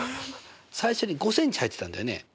最初に５ｃｍ入ってたんだよね。